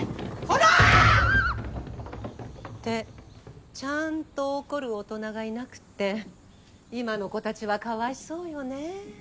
こら！！ってちゃんと怒る大人がいなくて今の子たちはかわいそうよね。